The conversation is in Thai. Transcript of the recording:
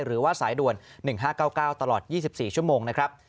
หรือว่าสายด่วน๑๕๙๙ตลอด๒๔ชั่วโมงนะครับ